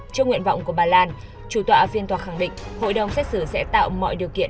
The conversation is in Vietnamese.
trong nguyện vọng của bà lan chủ tọa phiên tòa khẳng định hội đồng xét xử sẽ tạo mọi điều kiện